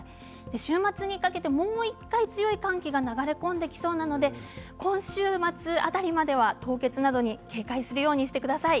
週末にかけて、もう１回強い寒気が流れ込んできそうなので今週末辺りまでは凍結などに警戒するようにしてください。